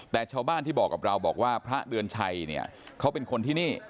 แต่ชาวบ้านที่บอกกับเราบอกว่าพระเดือนชัยเนี่ยเขาเป็นคนที่นี่